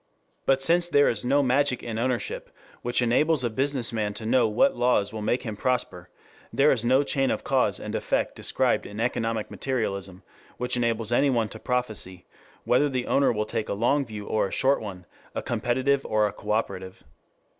But since there is no magic in ownership which enables a business man to know what laws will make him prosper, there is no chain of cause and effect described in economic materialism which enables anyone to prophesy whether the owner will take a long view or a short one, a competitive or a cooperative.